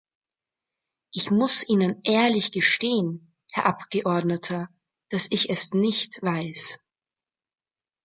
Ich muss Ihnen ehrlich gestehen, Herr Abgeordneter, dass ich es nicht weiß.